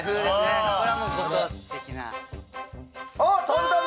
これはご当地的な。